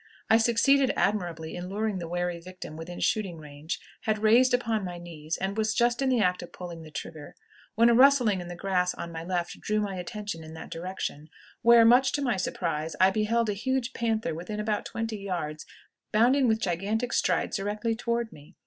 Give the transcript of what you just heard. I succeeded admirably in luring the wary victim within shooting range, had raised upon my knees, and was just in the act of pulling trigger, when a rustling in the grass on my left drew my attention in that direction, where, much to my surprise, I beheld a huge panther within about twenty yards, bounding with gigantic strides directly toward me.